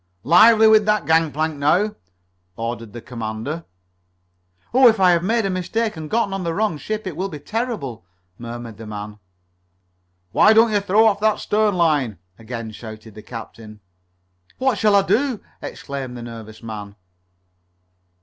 "Lively with that gangplank now!" ordered the commander. "Oh, if I have made a mistake and gotten on the wrong ship it will be terrible," murmured the man. "Why don't you throw off that stern line?" again shouted the captain. "What shall I do?" exclaimed the nervous man.